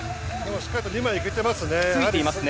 しっかり２枚いけてますね。